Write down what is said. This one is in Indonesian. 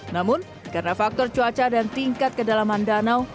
namun karena faktor cuaca dan tingkat kedalaman danau